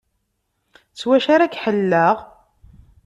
S wacu ara k-ḥelleleɣ?